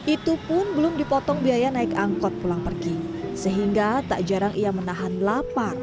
itu pun belum dipotong biaya naik angkot pulang pergi sehingga tak jarang ia menahan lapar